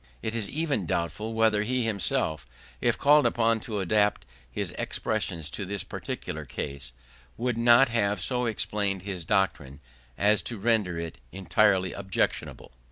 It is even doubtful whether he himself, if called upon to adapt his expressions to this peculiar case, would not have so explained his doctrine as to render it entirely unobjectionable.